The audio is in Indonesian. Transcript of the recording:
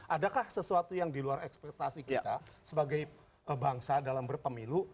adakah sesuatu yang di luar ekspektasi kita sebagai bangsa dalam berpemilu